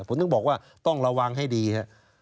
ผมถึงบอกว่าต้องระวังให้ดีครับ